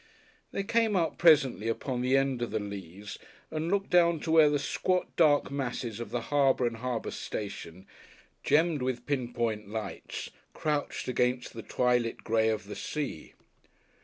They came out presently upon the end of the Leas and looked down to where the squat dark masses of the Harbour and Harbour Station, gemmed with pinpoint lights, crouched against the twilit grey of the sea.